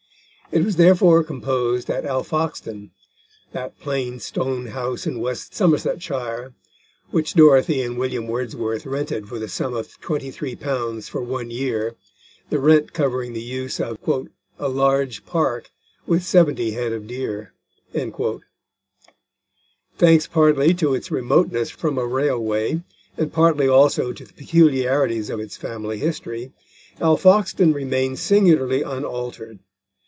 It was therefore composed at Alfoxden, that plain stone house in West Somersetshire, which Dorothy and William Wordsworth rented for the sum of £23 for one year, the rent covering the use of "a large park, with seventy head of deer." Thanks partly to its remoteness from a railway, and partly also to the peculiarities of its family history, Alfoxden remains singularly unaltered.